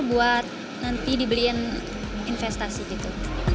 dan nanti dibeliin investasi gitu